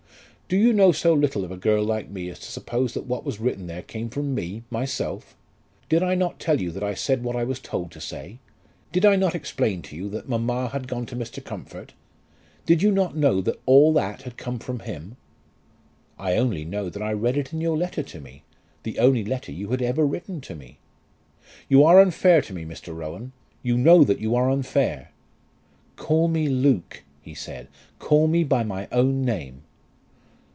"Do you know so little of a girl like me as to suppose that what was written there came from me, myself? Did I not tell you that I said what I was told to say? Did I not explain to you that mamma had gone to Mr. Comfort? Did you not know that all that had come from him?" "I only know that I read it in your letter to me, the only letter you had ever written to me." "You are unfair to me, Mr. Rowan. You know that you are unfair." "Call me Luke," he said. "Call me by my own name."